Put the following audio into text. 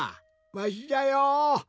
わしじゃよ。